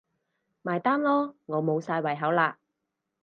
埋單囉，我無晒胃口喇